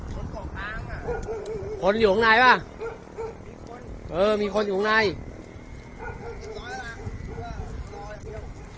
กองกลางอ่ะคนอยู่ข้างในป่ะมีคนเออมีคนอยู่ข้างใน